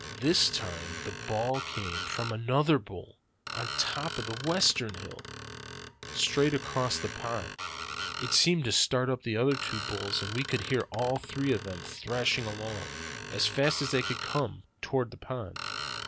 "This time the bawl came from another bull, on top of the western hill, straight across the pond. It seemed to start up the other two bulls, and we could hear all three of them thrashing along, as fast as they could come, towards the pond.